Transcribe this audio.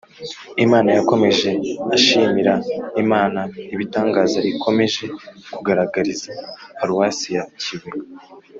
imana. yakomeje ashimira imana ibitangaza ikomeje kugaragariza paruwasi ya kibuye